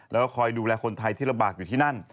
แล้วก็คอยดูแลคนไทยที่ลำบากอยู่ที่นั่น